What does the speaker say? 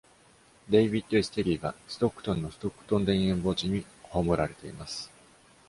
デイヴィッド S. テリーは、ストックトンのストックトン田園墓地に葬られています。